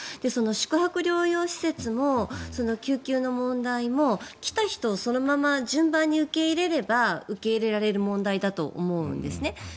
その宿泊療養施設も救急の問題も来た人をそのまま順番に受け入れれば受け入れられる問題だと思うんですね。